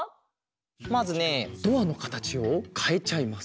まずねドアのかたちをかえちゃいます。